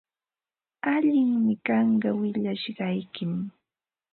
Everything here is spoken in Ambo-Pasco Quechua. Allinmi kanqa willashqaykim.